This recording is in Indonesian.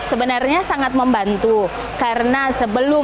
sebenarnya sangat membantu